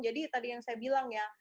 jadi tadi yang saya bilang ya